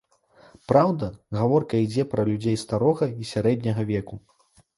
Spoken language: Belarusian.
Праўда, гаворка ідзе пра людзей старога і сярэдняга веку.